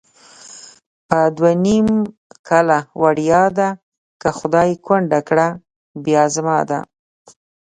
په دوه نیم کله وړیا ده، که خدای کونډه کړه بیا زما ده